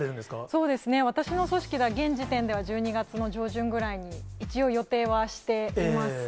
そうですね、私の組織では現時点では１２月の上旬ぐらいに一応、予定はしています。